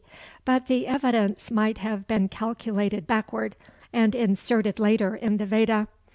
But the evidence might have been calculated backward, and inserted later in the Veda.